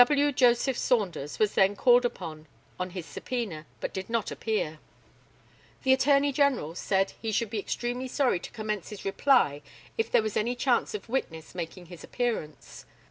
W. JOSEPH SAUNDERS was then called up on his subpœna, but did not appear. The ATTORNEY GENERAL said he should be extremely sorry to commence his reply if there was any chance of witness making his appearance.